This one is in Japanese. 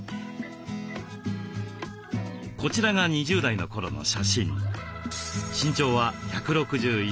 こちらが２０代の頃の写真。